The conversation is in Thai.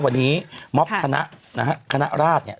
วันนี้มอบคานะน่ะฮะคานะราชเนี้ย